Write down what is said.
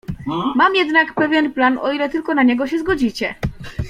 "Mam jednak pewien plan, o ile tylko się na niego zgodzicie."